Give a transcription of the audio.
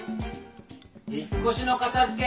引っ越しの片付け